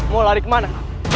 mau lari kemana